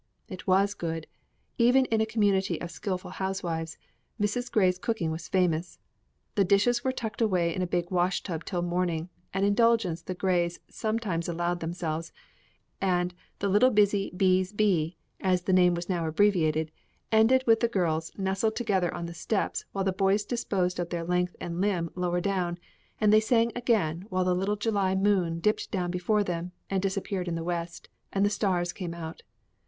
It was good; even in a community of skilful housewives, Mrs. Grey's cooking was famous. The dishes were tucked away in a big wash tub till morning an indulgence the Greys sometimes allowed themselves and "the little busy B's bee," as the name was now abbreviated, ended with the girls nestled together on the steps, while the boys disposed of their length of limb lower down, and they sang again while the little July moon dipped down before them, and disappeared in the west, and the stars came out.